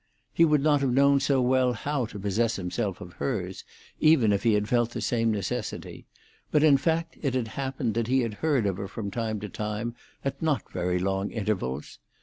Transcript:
He would not have known so well how to possess himself of hers, even if he had felt the same necessity; but in fact it had happened that he had heard of her from time to time at not very long intervals.